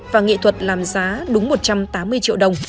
và nghệ thuật làm giá đúng một trăm tám mươi triệu đồng